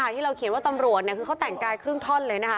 ที่เราเขียนว่าตำรวจ